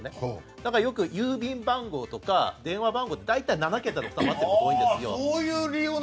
だからよく郵便番号とか電話番号って大体７桁とかになってることが多いんですよ。